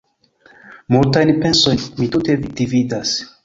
Multajn pensojn mi tute dividas.